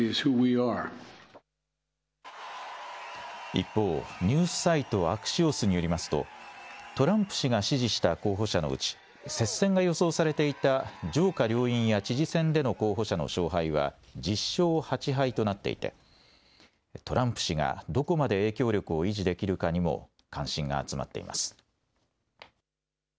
一方、ニュースサイト、アクシオスによりますと、トランプ氏が支持した候補者のうち、接戦が予想されていた上下両院や知事選での候補者の勝敗は、１０勝８敗となっていて、トランプ氏がどこまで影響力を維持できるかにも、関心が集まっています。